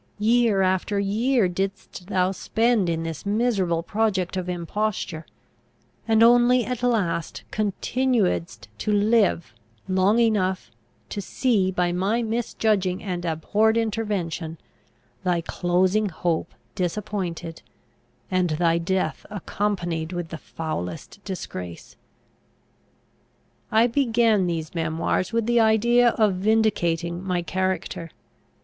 Year after year didst thou spend in this miserable project of imposture; and only at last continuedst to live, long enough to see, by my misjudging and abhorred intervention, thy closing hope disappointed, and thy death accompanied with the foulest disgrace! I began these memoirs with the idea of vindicating my character.